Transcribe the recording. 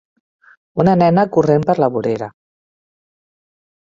Una nena corrent per la vorera.